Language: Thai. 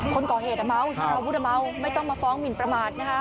คนก่อเหตุเมาสารวุฒิเมาไม่ต้องมาฟ้องหมินประมาทนะคะ